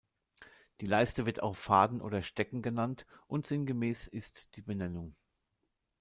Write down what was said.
Die Leiste wird auch Faden oder Stecken genannt und sinngemäß ist die Benennung.